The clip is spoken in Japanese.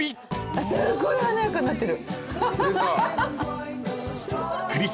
すごい華やかになってる。